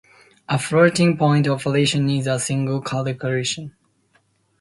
A floating point operation is a single calculation.